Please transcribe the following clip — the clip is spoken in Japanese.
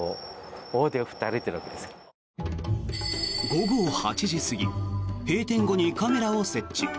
午後８時過ぎ閉店後にカメラを設置。